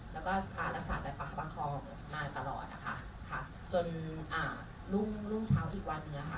แล้วก็พาลักษณ์ไปปรับความคลอมมาตลอดนะคะจนอ่ารุ่งรุ่งเช้าอีกวันเนี่ยค่ะ